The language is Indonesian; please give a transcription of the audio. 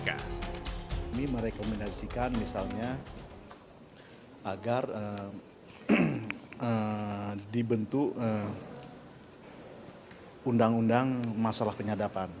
kami merekomendasikan misalnya agar dibentuk undang undang masalah penyadapan